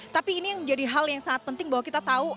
tapi ini yang menjadi hal yang sangat penting bahwa kita tahu